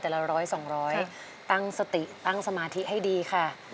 เปลี่ยนเพลงเก่งของคุณและข้ามผิดได้๑คำ